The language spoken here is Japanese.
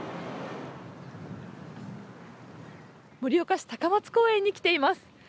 盛岡市高松公園に来ています。